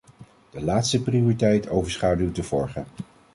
De laatste prioriteit overschaduwt de vorige.